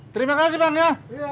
terima kasih bang ya